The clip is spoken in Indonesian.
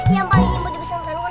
yang paling imut di besok besok